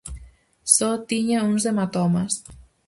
Só tiña uns hematomas.